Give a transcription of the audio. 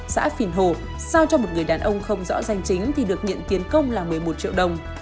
xã phìn hồ giao cho một người đàn ông không rõ danh chính thì được nhận tiền công là một mươi một triệu đồng